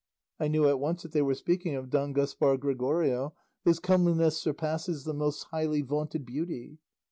I knew at once that they were speaking of Don Gaspar Gregorio, whose comeliness surpasses the most highly vaunted beauty.